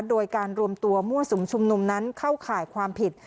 โดยการรวมตัวมั่วสุมชุมนุมนั้นเข้าข่ายความผิด